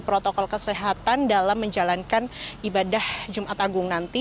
protokol kesehatan dalam menjalankan ibadah jumat agung nanti